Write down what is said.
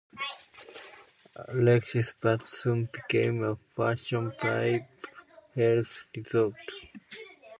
Alexisbad soon became a fashionable health resort.